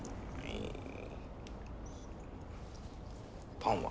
パンは？